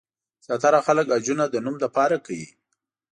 زیاتره خلک حجونه د نوم لپاره کوي.